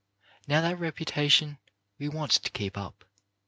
Now that reputation we want to keep up.